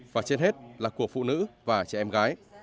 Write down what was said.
và trên hết là của phụ nữ và trẻ em gái